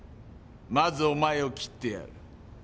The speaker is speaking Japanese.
まずお前を切ってやる。